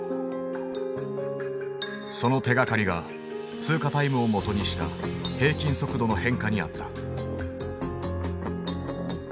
その手がかりが通過タイムを基にした平均速度の変化にあった。